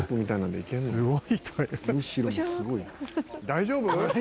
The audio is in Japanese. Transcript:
「大丈夫？」